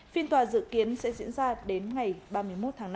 phiên tòa dự kiến sẽ diễn ra đến ngày ba mươi một tháng năm